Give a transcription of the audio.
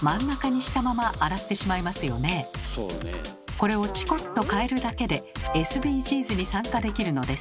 これをチコっと変えるだけでＳＤＧｓに参加できるのです。